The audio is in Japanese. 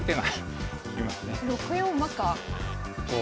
６四馬か。